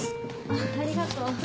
あっありがとう。